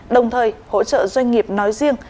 đồng thời hỗ trợ doanh nghiệp nói riêng